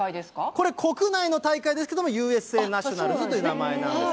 これ、国内の大会ですけども、ＵＳＡナショナルズという名前なんです。